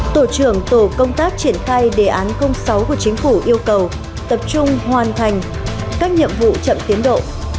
tổ trưởng tổ công tác triển khai đề án sáu của chính phủ yêu cầu tập trung hoàn thành các nhiệm vụ chậm tiến độ